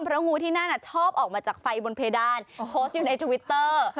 เพราะงูที่นั่นชอบออกมาจากไฟบนเพดานโพสต์อยู่ในทวิตเตอร์